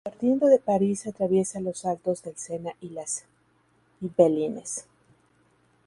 Partiendo de París atraviesa los Altos del Sena y las Yvelines.